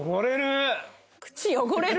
口汚れる？